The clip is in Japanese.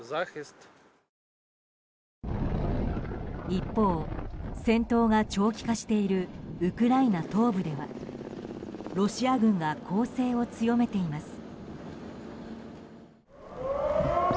一方、戦闘が長期化しているウクライナ東部ではロシア軍が攻勢を強めています。